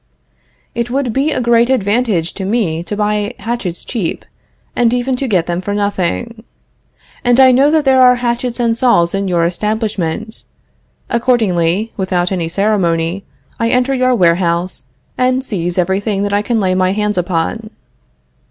It would be a great advantage to me to buy hatchets cheap, and even to get them for nothing. And I know that there are hatchets and saws in your establishment. Accordingly, without any ceremony, I enter your warehouse and seize everything that I can lay my hands upon.